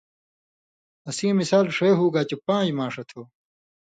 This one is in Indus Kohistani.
اسیں مِثال ݜے ہُوگا چے پان٘ژ ماݜہ تھو،